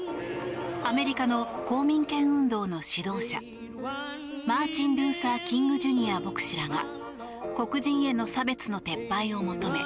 アメリカの公民権運動の指導者マーチン・ルーサー・キング・ジュニア牧師らが黒人への差別の撤廃を求め